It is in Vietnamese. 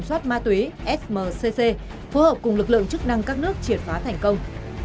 trung tâm điều phối sông mekong an toàn về kiểm soát ma túy smcc phối hợp cùng lực lượng chức năng các nước triệt phá thành công